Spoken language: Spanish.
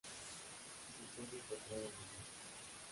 Se puede encontrar en el vino.